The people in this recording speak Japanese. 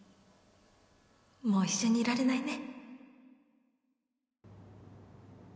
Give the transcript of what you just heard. もう一緒にいられないね